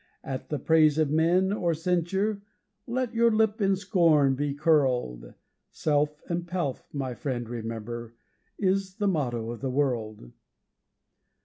At the praise of men, or censure, let your lip in scorn be curled, 'Self and Pelf', my friend, remember, is the motto of the world.